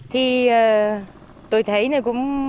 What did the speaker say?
thì tôi thấy này cũng